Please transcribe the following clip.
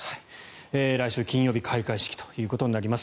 来週金曜日開会式ということになります。